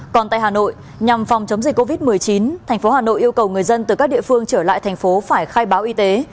còn tại hà nội nhằm phòng chống dịch covid một mươi chín thành phố hà nội yêu cầu người dân từ các địa phương trở lại thành phố phải khai báo y tế